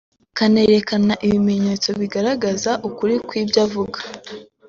akanerekana ibimenyetso bigaragaza ukuri kw’ibyo avuga